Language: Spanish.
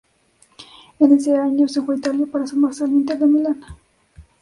En ese año se fue a Italia para sumarse al Inter de Milán.